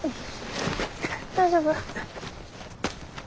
大丈夫？